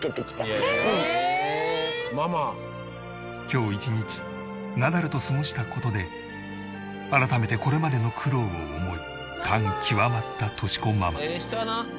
今日一日ナダルと過ごした事で改めてこれまでの苦労を思い感極まった敏子ママ。